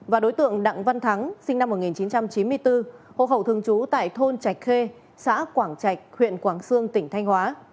và đối tượng đặng văn thắng sinh năm một nghìn chín trăm chín mươi bốn hộ khẩu thường trú tại thôn trạch khê xã quảng trạch huyện quảng sương tỉnh thanh hóa